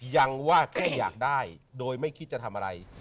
ยังว่าแค่อยากได้โดยไม่คิดจะทำอะไร